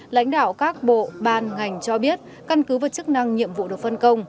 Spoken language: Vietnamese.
lãnh đạo các bộ ban ngành cho biết căn cứ và chức năng nhiệm vụ được phân công